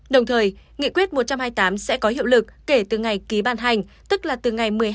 đồng thời nghị quyết một trăm hai mươi tám sẽ có hiệu lực kể từ ngày ký ban hành tức là từ ngày một mươi hai tháng năm